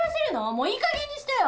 もういい加減にしてよ！